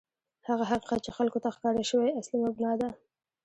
هغه حقیقت چې خلکو ته ښکاره شوی، اصلي مبنا ده.